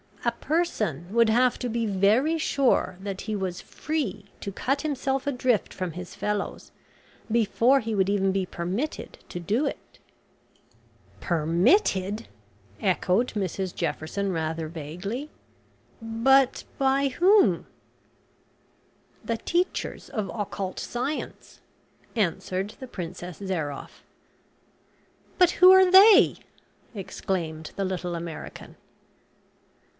A person would have to be very sure that he was free to cut himself adrift from his fellows before he would even be permitted to do it." "Permitted!" echoed Mrs Jefferson, rather vaguely. "But by whom?" "The teachers of occult science," answered the Princess Zairoff. "But who are they?" exclaimed the little American.